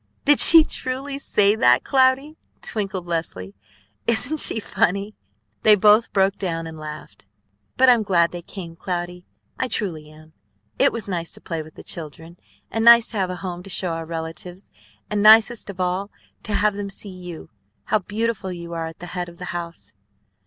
"Did she truly say that, Cloudy?" twinkled Leslie. "Isn't she funny?" They both broke down and laughed. "But I'm glad they came, Cloudy. I truly am. It was nice to play with the children, and nice to have a home to show our relatives, and nicest of all to have them see you how beautiful you are at the head of the house."